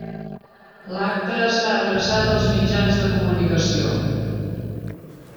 L'acte està adreçat als mitjans de comunicació.